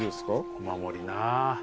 お守りなぁ。